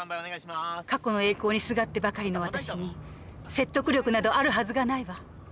過去の栄光にすがってばかりの私に説得力などあるはずがないわ。